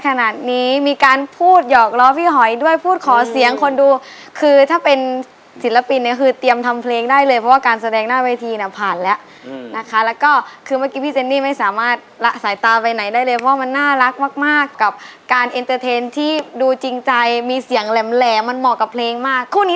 ขนาดนี้มีการพูดหยอกล้อพี่หอยด้วยพูดขอเสียงคนดูคือถ้าเป็นศิลปินเนี่ยคือเตรียมทำเพลงได้เลยเพราะว่าการแสดงหน้าเวทีเนี่ยผ่านแล้วนะคะแล้วก็คือเมื่อกี้พี่เจนนี่ไม่สามารถละสายตาไปไหนได้เลยเพราะมันน่ารักมากมากกับการเอ็นเตอร์เทนที่ดูจริงใจมีเสียงแหลมมันเหมาะกับเพลงมากคู่นี้